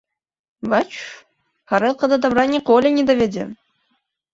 Бачыш, гарэлка да дабра ніколі не давядзе.